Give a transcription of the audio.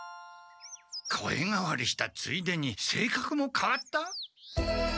声変わりしたついでにせいかくもかわった？